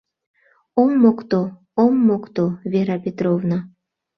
Ом мокто, ом мокто, Вера Петровна...